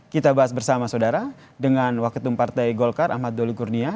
kita bahas bersama saudara dengan waketum partai golkar ahmad doli kurnia